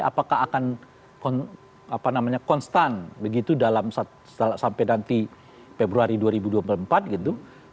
apakah akan konstan begitu sampai nanti februari dua ribu dua puluh empat gitu